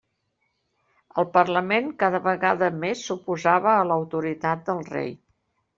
El parlament cada vegada més s'oposava a l'autoritat del rei.